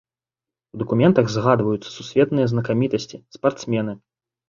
У дакументах згадваюцца сусветныя знакамітасці, спартсмены.